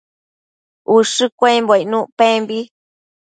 ushë cuembo icnuc pembi